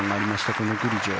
このグリジョ。